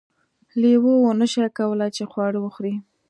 لیوه ونشوای کولی چې خواړه وخوري.